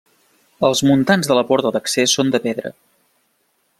Els muntants de la porta d’accés són de pedra.